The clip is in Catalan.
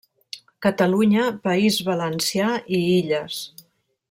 Catalunya, País Valencià i Illes.